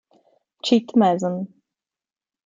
Chet Mason